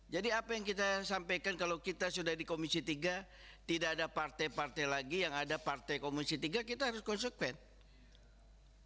jadi apa yang kita sampaikan kalau kita sudah di komisi tiga tidak ada partai partai lagi yang ada partai komisi tiga kita harus konsekuensi